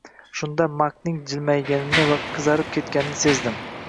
Shunda Makning jilmayganini va qizarib ketganini sezdim